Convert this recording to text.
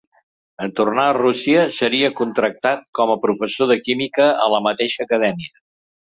En tornar a Rússia seria contractat com a professor de química a la mateixa Acadèmia.